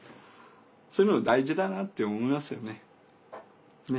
そういうのが大事だなって思いますよね。ね？